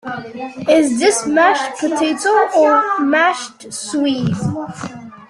Is this mashed potato or mashed swede?